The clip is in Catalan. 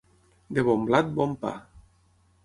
De bon blat, bon pa.